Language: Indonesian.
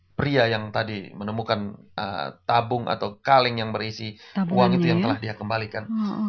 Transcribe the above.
pria yang tadi menemukan tabung atau kaleng yang berisi uang itu yang telah dia kembalikan